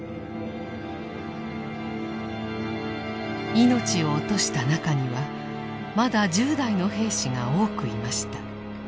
命を落とした中にはまだ１０代の兵士が多くいました。